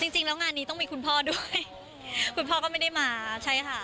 จริงแล้วงานนี้ต้องมีคุณพ่อด้วยคุณพ่อก็ไม่ได้มาใช่ค่ะ